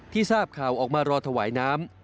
ทราบข่าวออกมารอถวายน้ำ